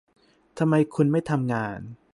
ทำไมคุณไม่ทำงาน